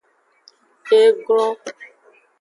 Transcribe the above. E glon.